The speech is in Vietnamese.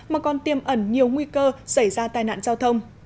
mà còn tiêm ẩn nhiều nguy cơ xảy ra tai nạn giao thông